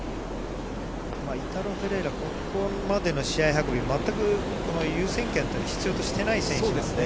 イタロ・フェレイラ、ここまでの試合運び、全く優先権というのを必要としていない選手なので。